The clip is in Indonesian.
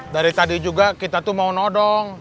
dari tadi juga kita tuh mau nodong